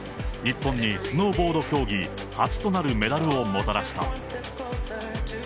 日本に、スノーボード競技初となるメダルをもたらした。